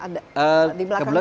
di belakang kita